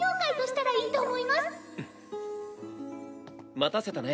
待たせたね。